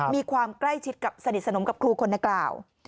มีความใกล้ชิดกับสนิทสนมกับครูคนดังกล่าว